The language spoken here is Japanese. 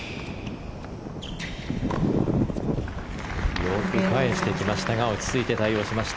よく返してきましたが落ち着いて対応しました。